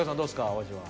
お味は。